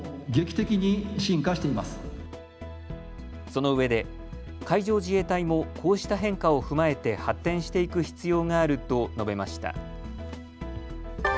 そのうえで海上自衛隊もこうした変化を踏まえて発展していく必要があると述べました。